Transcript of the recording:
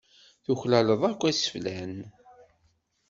Tuklaleḍ akk iseflan.